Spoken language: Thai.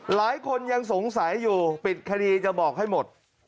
หลายคนยังสงสัยอยู่ปิดคดีจะบอกให้หมด